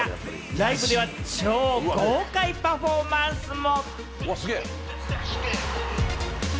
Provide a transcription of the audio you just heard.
ライブでは超豪快パフォーマンスも。